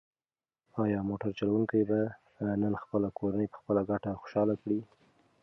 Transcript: ایا موټر چلونکی به نن خپله کورنۍ په خپله ګټه خوشحاله کړي؟